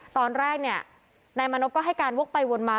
ตอนแรกเนี่ยนายมานพก็ให้การวกไปวนมา